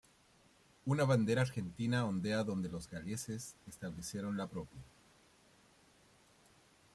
Una bandera argentina ondea donde los galeses establecieron la propia.